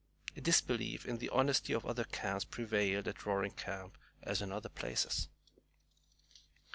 A disbelief in the honesty of other camps prevailed at Roaring Camp, as in other places.